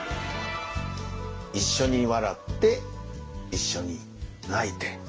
「一緒に笑って一緒に泣いて」。